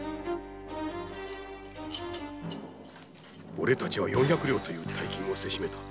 俺たちは四百両という大金をせしめた。